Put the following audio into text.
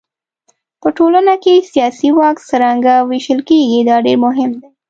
په ټولنه کې سیاسي واک څرنګه وېشل کېږي دا ډېر مهم دی.